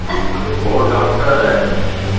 وو ڊاڪٽر ائي